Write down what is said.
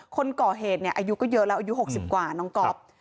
คนก่อเหตุเนี่ยอายุก็เยอะแล้วอายุ๖๐กว่าน้องก๊อฟ